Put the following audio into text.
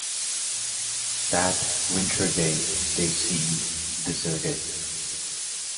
That winter day they seemed deserted.